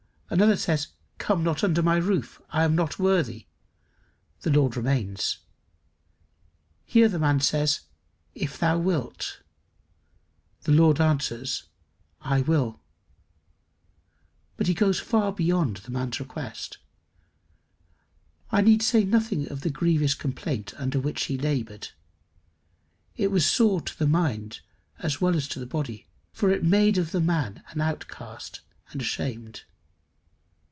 Another says, "Come not under my roof, I am not worthy;" the Lord remains. Here the man says, "If thou wilt;" the Lord answers, "I will." But he goes far beyond the man's request. I need say nothing of the grievous complaint under which he laboured. It was sore to the mind as well as the body, for it made of the man an outcast and ashamed.